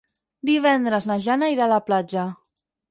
Divendres na Jana irà a la platja.